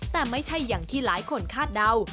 แต่ไม่ใช่อย่างที่หลายคนคาดเดา